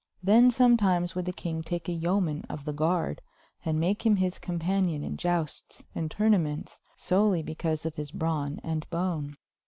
Then sometimes would the king take a yeoman of the guard and make him his companion in jousts and tournaments, solely because of his brawn and bone.